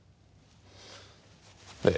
ええ。